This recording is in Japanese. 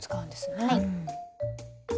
はい。